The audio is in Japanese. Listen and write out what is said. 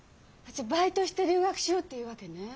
じゃあバイトして留学しようっていうわけね？